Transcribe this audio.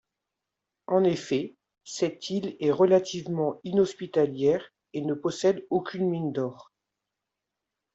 En effet, cette île est relativement inhospitalière, et ne possède aucune mine d'or.